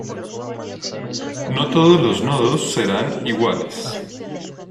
No todos los nodos serán iguales.